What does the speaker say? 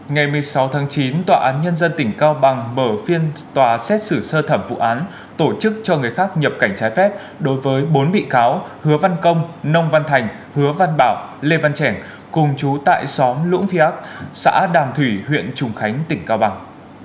ngày một mươi sáu tháng chín tòa án nhân dân tỉnh cao bằng mở phiên tòa xét xử sơ thẩm vụ án tổ chức cho người khác nhập cảnh trái phép đối với bốn bị cáo hứa văn công nông văn thành hứa văn bảo lê văn trẻ cùng chú tại xóm lũng phía ác xã đàm thủy huyện trùng khánh tỉnh cao bằng